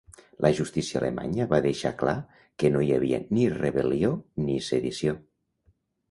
La justícia alemanya va deixar clar que no hi havia ni rebel·lió ni sedició.